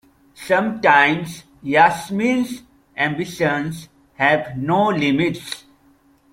Sometimes Yasmin's ambitions have no limits.